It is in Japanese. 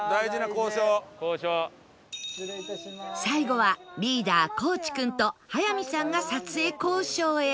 最後はリーダー地君と早見さんが撮影交渉へ